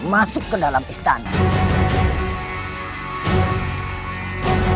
masuk ke dalam istana